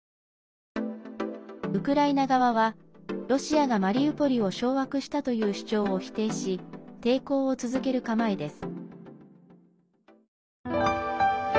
ウクライナ側はロシアがマリウポリを掌握したという主張を否定し抵抗を続ける構えです。